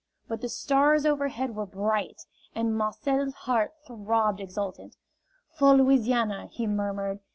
But the stars overhead were bright, and Marcel's heart throbbed exultant. "For Louisiana!" he murmured.